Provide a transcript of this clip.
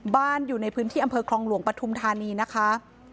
อยู่ในพื้นที่อำเภอคลองหลวงปฐุมธานีนะคะ